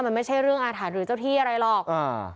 มันไม่ใช่เรื่องอาถรรพ์หรือเจ้าที่อะไรหรอกอ่า